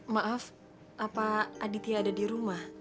maaf apa aditya ada di rumah